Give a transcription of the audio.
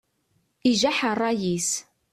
Ijaḥ ṛṛay-is.